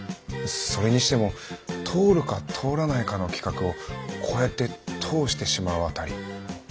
それにしても通るか通らないかの企画をこうやって通してしまうあたり